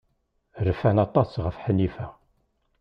Rfant aṭas ɣef Ḥnifa.